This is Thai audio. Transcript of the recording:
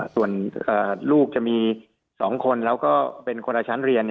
ส่วนลูกจะมี๒คนแล้วก็เป็นคนละชั้นเรียน